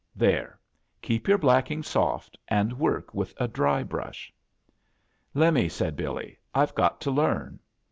There. Keep your blackii^ soft and wwk with a dry brush." "Lemme," said Billy. "Tve got to learn."